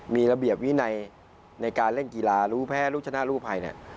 มีระเบียบวินัยในการเล่นกีฬารุงแพ้